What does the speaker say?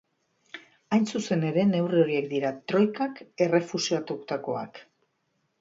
Hain zuzen ere, neurri horiek dira troikak errefusatutakoak.